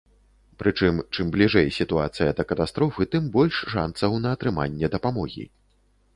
Прычым, чым бліжэй сітуацыя да катастрофы, тым больш шанцаў на атрыманне дапамогі.